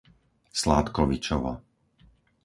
Sládkovičovo